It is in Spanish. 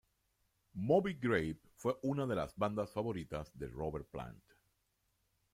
Moby Grape fue una de las bandas favoritas de Robert Plant.